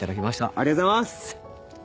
ありがとうございます！